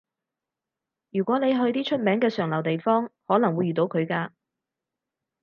如果你去啲出名嘅上流地方，可能會遇到佢㗎